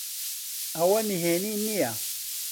ئەوە نهێنی نییە.